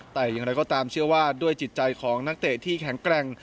แต่อย่างไรก็ตามเชื่อว่าด้วยจิตใจของนักเตะที่แข็งแกร่ง